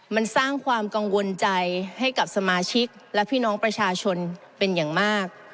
มันสร้างความกังวลใจให้กับสมาชิกและพี่น้องประชาชนเป็นอย่างมาก